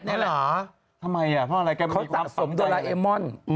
ทำไมอะเพราะอะไรแกเค้าสะสมโดราเอมอน